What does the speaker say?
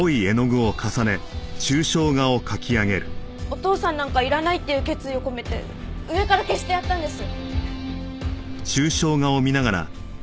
お父さんなんかいらないっていう決意を込めて上から消してやったんです。